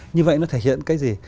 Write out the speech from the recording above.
như vậy nó thể hiện cái gì